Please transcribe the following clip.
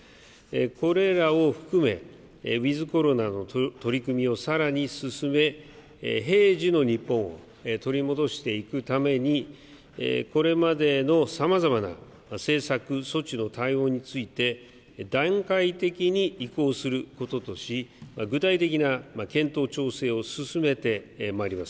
これらを含めウィズコロナの取り組みをさらに進め平時の日本を取り戻していくためにこれまでのさまざまな政策措置の対応について段階的に移行することとし具体的な検討、調整を進めてまいります。